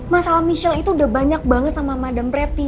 masalah michelle itu udah banyak banget sama madam pretty